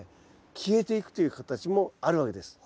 消えていくという形もあるわけです。